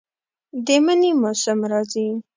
د منی موسم راځي